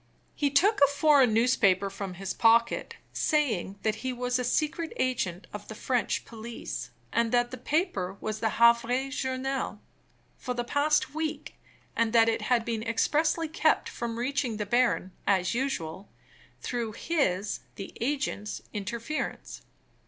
He took a foreign newspaper from his pocket, saying that he was a secret agent of the French police that the paper was the Havre Journal, for the past week, and that it had been expressly kept from reaching the baron, as usual, through his (the agent's) interference.